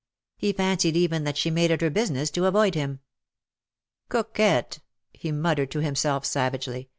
He fancied even that she made it her business to avoid him. " Coquette,^' he muttered to himself savagely.